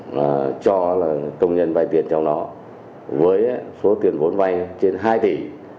và cho công nhân vay tiền cho nó với số tiền vốn vay trên hai tỷ